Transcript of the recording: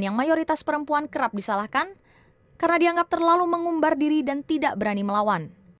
yang kedua adalah disalahkan karena dianggap terlalu mengumbar diri dan tidak berani melawan